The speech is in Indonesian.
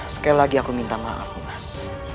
sekali lagi aku minta maaf mas